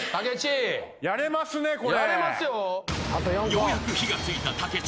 ［ようやく火が付いた武智］